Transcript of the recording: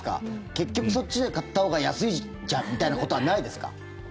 結局、そっちで買ったほうが安いじゃんみたいなことはないですか？